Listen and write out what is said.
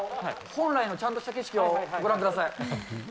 本来のちゃんとした景色をご覧ください。